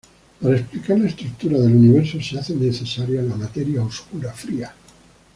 Para explicar la estructura del universo, se hace necesaria la materia oscura fría.